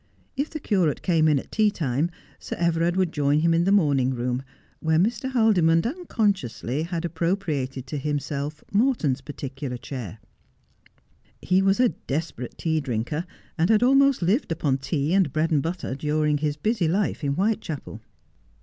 If the curate came in at tea time Sir Everard would join him in the morning room, where Mr. Haldimond unconsciously had appropriated to himself Morton's particular chair. He was a desperate tea drinker, and had almost lived upon tea and bread and butter during his busy life in Whitechapel.